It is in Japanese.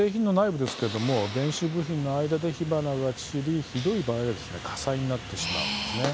電子部品の間で火花が散りひどい場合は火災になってしまいます。